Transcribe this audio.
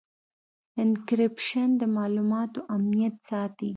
انکریپشن د معلوماتو امنیت ساتي.